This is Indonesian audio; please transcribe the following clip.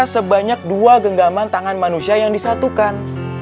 sebanyak dua genggaman tangan manusia yang disatukan